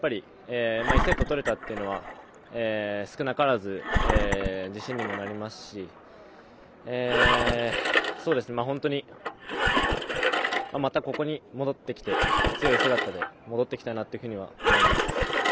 １セット取れたっていうのは少なからず自信にもなりますし本当に、またここに戻ってきて強い姿で戻ってきたいなとは思います。